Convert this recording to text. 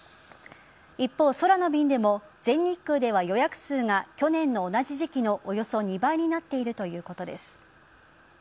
一方、空の便でも全日空では予約数が去年の同じ時期のおよそ２倍になっているということです。